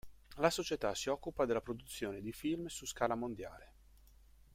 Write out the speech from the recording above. La società si occupa della produzione di film su scala mondiale.